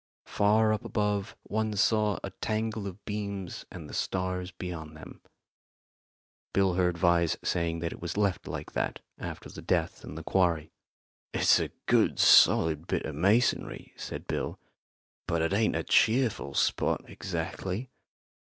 Far up above one saw a tangle of beams and the stars beyond them. Bill heard Vyse saying that it was left like that after the death in the quarry. "It's a good solid bit of masonry," said Bill, "but it ain't a cheerful spot exactly.